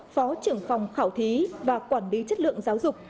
phó trưởng phòng khảo thí và quản lý chất lượng giáo dục